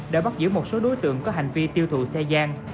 đã bắt giữ một số đối tượng có hành vi tiêu thụ xe gian